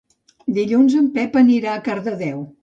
Dilluns en Pep anirà a Cardedeu.